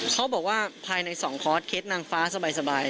เขาบอกว่าภายใน๒คอร์สเคสนางฟ้าสบาย